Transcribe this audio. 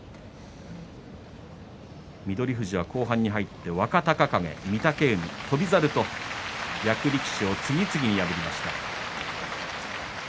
富士は後半に入って若隆景、御嶽海、翔猿と役力士を次々と破っています。